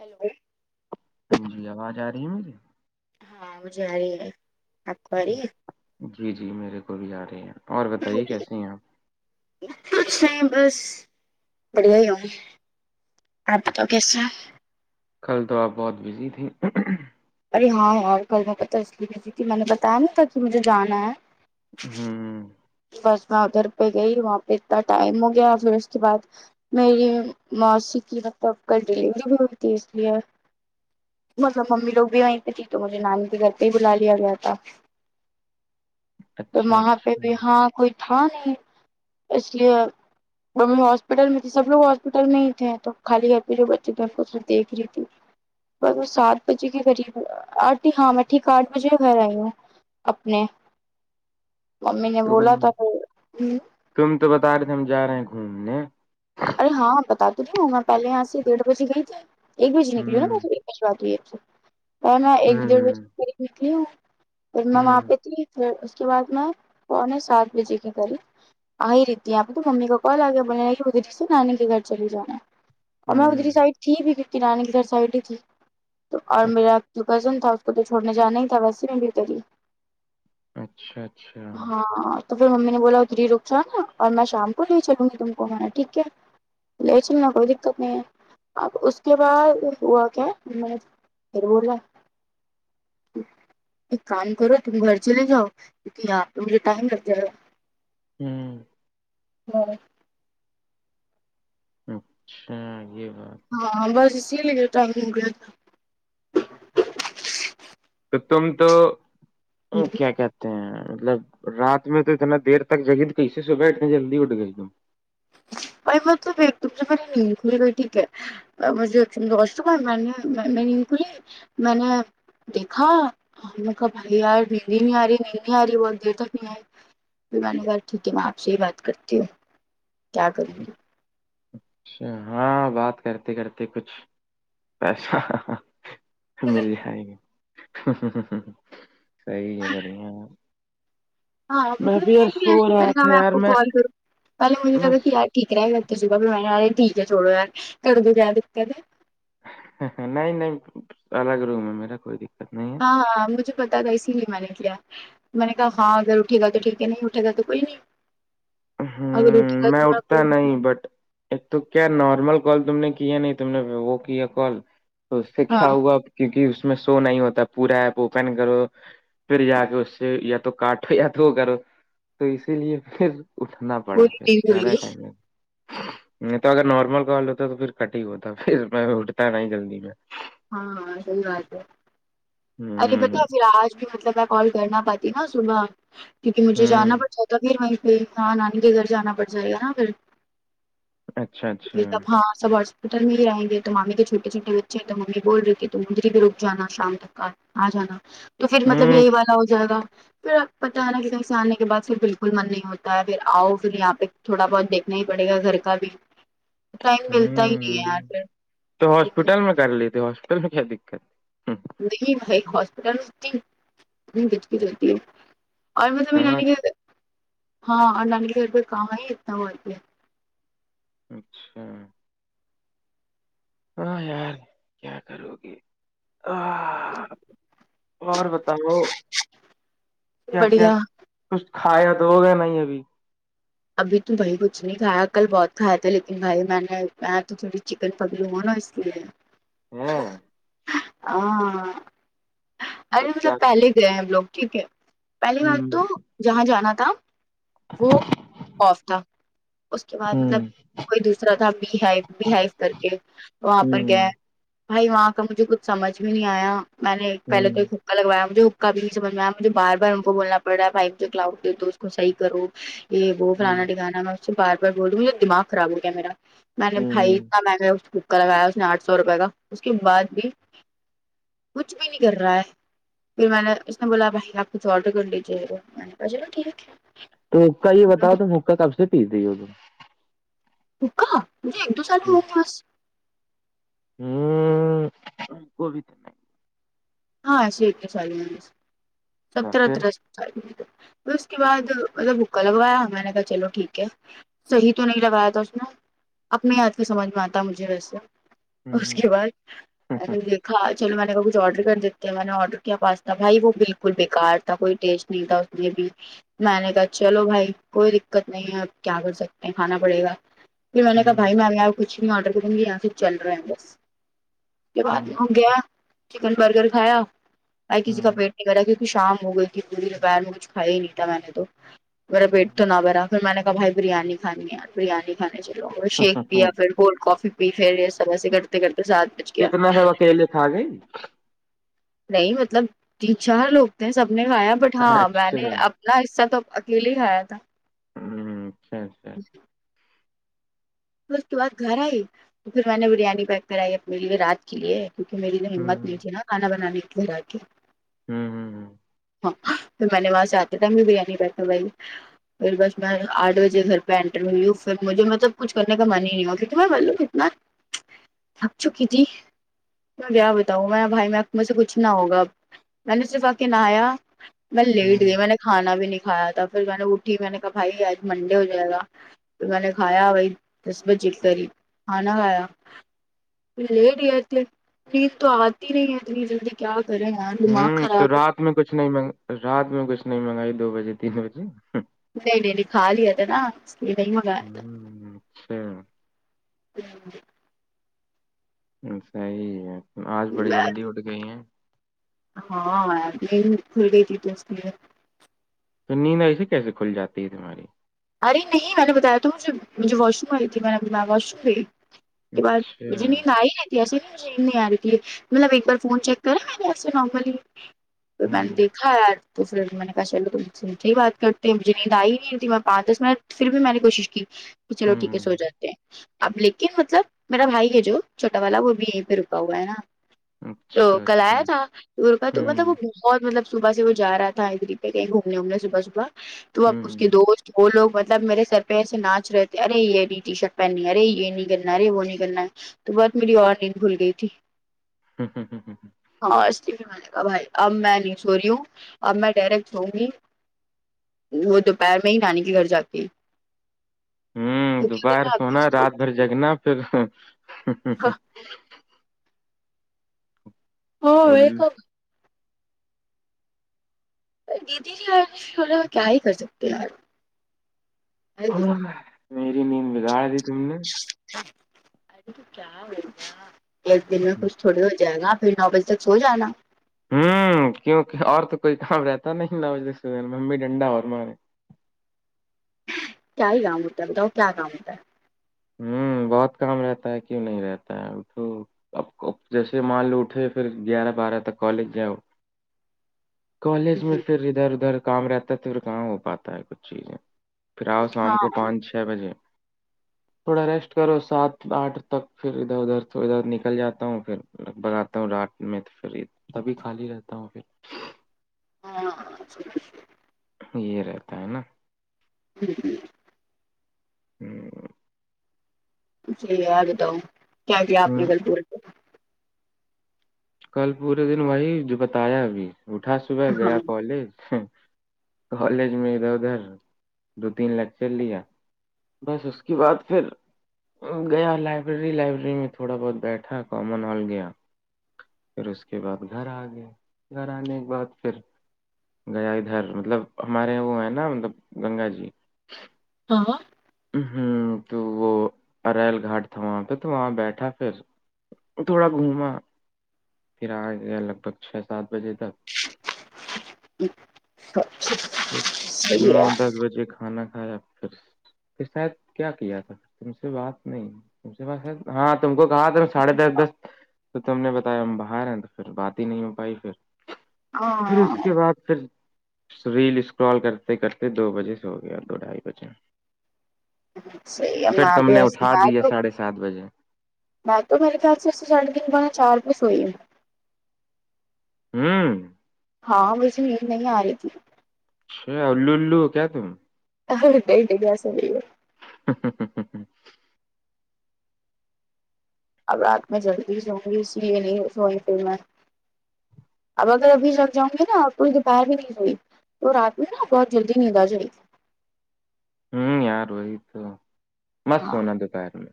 hello ہاں جی آواز آ رہی ہے میری ہاں جارہے ہے آپ کو آ رہی ہے جی جی میرے کو بھی آ رہے ہیں اور بتائیے کیسے ہیں آپ کچھ نہیں بس بڑھیا ہی ہو اپ بتاؤ کیسے کل تو آپ بہت بزی تھی ارے ہاں یار کل میں پتا اس لیے بزی تھی میں نے بتایا نا تھا کی مجھے جانا ہے ہوں بس میں ادھر پہ گئی وہاں پہ اتنا ٹائم ہو گیا پھر اس کے بعد میری موسی کی آب کل ڈیلیوری بھی ہوتی ہے اس لی ہے مطلب ممی لوگ بھی وہیں پہ تھی تو مجھے نانی کے گھر پہ ہی بلا لیا گیا تھا تو اچھا وہاں پہ اچھا وہاں کوئی تھا نہیں اس لیے وہ ہاسپٹل میں تھی سب لوگ ہاسپٹل میں ہی تھے تو خالی گھر پہ جو بچے تھے کو دیکھ رہی تھی سات بجے کے قریب آتی ہاں میں ٹھیک آٹھ بجے گھر آئی ہوں اپنے ممی نے تم بولا تھا تم تو بتا رہے تھے ہم جا رہے ہیں گھومنے ارے ہاں بتا تو نہیں ہوں میں پہلے یہاں سے ڈڑھ بجے گئی تھی ایک بجے نکلی ہوں ہوں ہوں [unintelligible] پھر میں ہوں وہاں پے تھی کے بعد میں پونے سات بجے کے کریب آ ہی رہی تھی یہاں پے تو ممی کو کال آ گیا بولے سے نانی کے گھر چلی جانا ہے اور میں ہوں ادری سائڈ تھی بھی کی رانیے کی دھر سائڈ تھی تو اور اچ- میرا کزن تھا اس کو تو چھوڑنے جانا ہی تھا ویسے بھتری اچھا اچھا ہاں تو پھر ممی نے بولا ادھرری رک جا نا اور میں شام کو لے چلوں گی تم کو ہے نہ ٹھیک ہے لے چلنا کوئی دقت نہیں ہے اب اس کے بعد ہوا کیا [unintelligible] ایک کام کرو تم گھر چلے جاؤ کیونکی یہار تو مجھے ٹائم لگ جائے گا ہمم میں نے اچھا یے بات ہاں بس اسی لیے جو ٹم ہو گیا تھا تو تم تو او کیا کہتے تے ہے مطلب رات میں تو اتنا دیر تک جگی کیسےصبح اٹنے جلدی اٹھ گئی تم مطلب ایک تو مجھے میری نیند کھل گئی ٹیک ہے مجھے واشروم آرا میں نے بعد میں نیند کھلی میں نے دیکھا ہم نے کہا بھائی نیند ہی نہیں آ رہی نیند نہیں آ رہی بہت دیر تک نہیں آئی پھر میں نے بولا ٹھیک ہے میں آپ سے ہی بات کرتی ہوں کیا کروں گی اچھا ہاں بات کرتے کرتے کچھ پیسہ مل ہاں جائے گی صحیح ہے بڑھیا ہے ہاں ابھی میں بھی نیند یار نہیں سو ارہی میں رہا نے تھا کہا آپ یار کو میں کال کروں پہلے مجھے میں لگا کی آ [unintelligible] نہیں نہیں الگ روم ہے میرا کوئی دق ہاں ہاں مجھے پتہ تھا اسی لیے میں نے کیا میں نے کہا ہاں اگر اٹھے گا تو ٹھیک ہے نہیں اٹھے گا تو کوئی نہیں اگر اٹھے گا ہمم میں تو اٹھتا آپ نہیں بٹ ایک تو کیا نارمل کال تم نے کیے نہیں تم نے وہ کیا کال تو اس سے ہاں کیا ہوا کیونکی اس میں شو نہیں ہوتا پورا ایپ اوپن کرو پھر ہاں جا کے اس سے یا تو کاٹ تو یا تو وہ کرو تو اسی لیے پھر اٹھنا پڑا پوری پھر ٹیم دوں گی زیادہ ٹائم نہیں تو اگر نارمل کال ہوتا ہے تو پھر کٹ ہی ہوتا پھر میں اٹتا ہے نا جلدی میں ہاں سحیح بات ہے ارے ہوں بتاو پھر آج مطلب میں کال کرنا پاتی نا صبح کیونکہ مجھے جانا ہوں پڑتا تو پھر وہ پھر ہاں نانی کے گھر جانا پڑ جائے گا نا پھر اچھا اچھا تب ہاں سب ہسپٹل ہی رہیں گے تو مامے کے چھوٹے چھوٹے بچے تو ممی بول رہی کہ تم مجری بھی روک جانا شام تک آ جانا تو پھر مطلب ہوں یہی والا ہو جائے گا پھر اب پتہ نہیں نا کی ایک دم سے آنے کے بعد پھر بالکل من نہیں ہوتا ہے پھر آؤ پھر یہاں پے تھوڑا بہت دیکھنا ہی پڑے گا گھر کا بھی ٹائم ملتا ہی نہیں ہے یار ہوں تو پھر [unintelligible] [unintelligible] [unintelligible] دقت نہیں بھائی ہاسپٹل [unintelligible] چلتی ہے ہاں ہاں اور نانی گھر پے کہاں ہے اتنا ہوتی ہے اچھا ہاں یار کیا کرو گے آ اور بتاؤ کیا کیا بڑھیا کچھ کھایا تو ہو گیا نہیں ابھی ابھی تو بھائی کچھ نہیں کھایا کل بہت کھایا تھا لیکن بھائی میں نے تو تھوڑی چکن پاگلو ہو نا اسلئیے ہے ہاں تو ارے کیا مطلب پہلے گئے ہیں ہم لوگ ٹھیک ہے پہلی ہوں بات تو جہاں جانا تھا وہ آف تھا اس کے بعد ہوں مطلب کوئی دوسرا تھا بی ہائی بی ہائیف کر کے وہاں پر ہوں گیا بھائی وہاں کا مجھے کچھ سمجھ بھی نہیں آیا میں نے پہلے تو ہوں ایک حکا لگایا مجھے کبھی نہیں سمج میں آ مجھے بار بار ان کو بولنا پڑا ہے بھائی کلاؤڈ دی دو اس کو صحیح کرو یہ وہ ہوں فلانا ڈھیمکانا میں اس سے بار بار بول رہ ہوں مے دماغ خراب ہو گیا میرا میں نے بھائی ہوں اتنا میں نے کوکا لگایا اس نے آٹھ سو روپے کا اس کے بعد بھی کچھ بھی نہیں کر رہا ہے پھر میں نے اس نے بولا بھائی آپ کچھ آرڈر کر لیجیے مینے بولا چلو ٹھیک ہے تو حکا یہ بتاؤ تم حکا کب سے پیس دیی ہو تم تم [unintelligible] ہوں کوب تھا ہاں شیک ہے سا سب تھا طرح پھر طرح پھر اس کے بعد مطلب بھکا لگوایا میں نے کہا چلو ٹھیک ہے صحیح تو نہیں لگایا تھا اس نے اپنے آیاد کی سمجھ میں آتا مجھے ویسے ہوں اس ہوں کے بعد میں ہوں نے دیکھا چلو میں نےب کچھ آڈر کر دیتے ہیں میں نے آڈر کیا پاستا بھائی وہ بال کل بیکار تھا کوئی کوئی ٹیسٹ نہیں تھا اس بھی میں نے کہا چلو بھائی کوئی دقت نہیں ہے آپ کیا کر سکتے ہیں کھانا پڑے گا پھر میں نے کہا ہوں بھائی میں ابھی یہاں کچھ نہیں آڈر کروں گی یہاں سے چل رہے ہیں بس بعد ہوں وہ گیا چکن برگر کھایا بھائی کسی کا ہوں پیٹ نہیں بھرا کیونکہ شام ہو گئی تھی پوری دوپہر میں کچھ کھایا ہی نہیں تھا میں نے تو میرا پیٹ ہوں تو نہ بھرا پھر میں نے کہا بھائی بریانی کھانی ہے بریانی کھانے چلو شیک پیا پھر کولڈ کافی پی پھر یہ سب ایسے کرتے کرتے سات بج گیا کتنا سب اکیلے کھا گئی نہیں مطلب تین چار لوگ تھے سب نے کھایا بٹ ہاں میں اچھا نے اپ نا حصہ تو اب اکیلے ہی کھایا تھا ہوں خیر پھر اس کے بعد گھر آئی تو پھر میں نے بریانی پیک کرائی اپنے لیے رات کیلئے کیونکہ میری میں ہوں ہمت نہیں تھی ناں کھانا بنانے کی گھر آ کے ہوں ہوں ہاں پھر میں نے وہاں سے آتے ٹائم بھی بریانی پیک کروائی پھر بس میں آٹھ بجے گھر پہ انٹر ہوئی ہوں پھر مجھے مطلب کچھ کرنے کا من ہی نہیں ہوا کیونکہ میں معلوم کتنا چہ تھک چکی تھی میں کیا بتاؤں میں بھائی میں مجھ سے کچھ نہ ہوگا اب میں نے صرف آ کے نہایا ہوں [unintelligible] کھانا بھی نہیں کھایا تھا پھر میں نے اٹھی میں نے کہا بھائی آج منڈے ہو جائے گا پھر میں نے کھایا وہی دس بجے قریب کھانا کھایا لیٹ گئے تھے نیند تو آتی نہیں ہے اتنی جلدی کیا کریں یار دماغ ہوں خراب تو ہے رات میں کچھ نہیں منگ رات میں کچھ نہیں منگائی دو بجے تین بجے نہیں نہیں نہیں کھا لیا تھا نا اس لیے نہیں منگایا تھا ہوں اچھا [unintelligible] جی صحیح ہے آج بڑی میں جلدی اٹھ گئی ہیں ہاں میں نیند کھل گئی تھی تو اس لیے تو نیند ایسے کیسے کھل جاتی ہے تمہاری ارے نہیں میں نے بتایا تو مجھے مجھے واش روم آئی تھی میں نے واش روم گئی اس کے بعد اچھا مجھے نیند آئی نہیں ایسے بھی مجھے نیند نہیں آ رہی تھی مطلب ایک بار فون چیک کرا میں نے ایسے نارملی پھر میں نے ہوں دیکھا یار تو پھر میں نے کہا چلو تم سے میٹھی بات کرتے ہیں مجھے نیند آئی نہیں رہی تھی پانچ دس منٹ پھر بھی میں نے کوشش کی کہ چلو ٹھیک ہے سو ہوں جاتے ہیں اب لیکن مطلب میرا بھائی ہے جو چھوٹا والا وہ بھی یہیں پہ رکا ہوا ہے نا تو اچھا کل اچھا آیا ہوں تھا ٹور کا تو مطلب ہوں وہ بہت مطلب صبح سے وہ جا رہا تھا ادھر ہی پہ کہیں گھومنے ومنے صبح صبح تو اب اس کے ہوں دوست وہ لوگ مطلب میرے سر پہ ایسے ناچ رہے تھے ارے یہ نہیں ٹی شرٹ پہننی ہے ارے یہ نہیں کرنا ارے وہ نہیں کرنا تو بس میری اور نیند کھل گئی تھی ہوں ہوں ہوں ہاں اسلئے بھی میں نے کہا بھائی اب میں نہیں سو رہی ہوں اب میں ڈائریکٹ سوؤں گی وہ دوپہر می ری نانی کے گھر جاکے ہوں دوپہر سونا رات بھر جگنا پھر ا [unintelligible] [unintelligible] کیا ہی کر سکتے ہیں یار میری نیند بگاڑدی تم نے ارے تو کیا ہوگیا ایک دن میں کچھ تھوڑی ہو جائے گا پھر نو بجے تک سو جانا ہوں کیونکہ اور تو کوئی کام رہتا نہیں نہ مجھے صبح میں ممی ڈنڈا اور مارے کیا ہی کام ہوتا ہے بتاؤ کیا کام ہوتا ہے ہوں بہت کام رہتا ہے کیوں نہیں رہتا ہے اب جیسے مان لو اٹھے پھر گیارہ بارہ تک کالج جائؤ کالج ہے میں ہ پھر ادھر ادھر کام رہتا ہے تو پھر کہاں ہو پاتا ہے کچھ چیزیں پھر آؤ شام ہاں کو پانچ چھ بجے تھوڑا ریسٹ کرو سات آٹھ تک پھر ادھر ادھر ادھر نکل جاتا ہوں پھر لگ بگاتتا ہوں رات میں تو پھر تبھی خالی رہتا ہوں پھر ہاں یہ رہتا ہے نا ہوں جی بتاؤ کیا کیا آپ کی لطیور کل پورے دن وہی جو بتایا ابھی اٹھا صبح گیا ہاں کالج کالج میں ادھر ادھر دو تین لیکچر لیا بس اس کی بعد پھر گیا لائبریری لائبریری میں تھوڑا بہت بیٹھا کومن ہال گیا پھر اس کے بعد گھر آ گئے گھر آنے کے بعد پھر گیا ادھر مطلب ہمارے یہ وہ ہیں نا مطلب گنگا جی ہاں ہ تو وہ ایل گھاٹ تھا وہاں پہ تو وہاں بیٹھا پھر تھوڑا گھوما پھر آ گیا لگ بھگ چھ سات بجے تک اچھا اچھا صحیح نو ہے دس بجے کھانا کھایا پھر شاید کیا کیا تھا تم سے بات نہیں تم سے بات شاید ہاں تم کو کہا تھا ساڑھے دس دس تو تم نے بتایا ہم باہر ہیں تو پھر بات ہی نہیں ہو پائی پھر پھر اس ہاں کے بعد پھر ریل اسکرال کرتے کرتے دو بجے سے ہو گیا دو ڈھائی بجے صحیح ہے پھر میں تم بھی نے ایسے اٹھا میں دییا تو ساڑھے سات بجے میں تو میرے خیال سے اس سے سڑے دن با چار پو سوئی ہوں ہوں ہاں مجے ایند نہیں آ رہی تھی اللو اللو کیا تم نہیں نہیں ویسا نہیں ہے ہ ہ ہ ہ ہ اب رات میں جلدی سؤں گی اسی لیے نہیں سوئییں پھر میں اب اگر ابھی لگ جاؤں گے نا تھئی دوپہر بھی نہیں ہوئی تو رات میں نا بہت جلدی نیند آ جائے گی ہوں یار وہی تو مت ہاں سونا دوپہر میں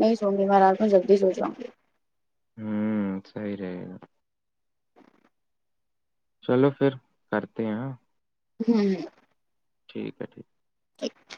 نہیں سووں گے می رات کو جلدی سو جاؤ گی ہوں سحیی رہے گا چلو پھر کرتے ہیں ہوں ٹھیک ہے ٹھیک اچھ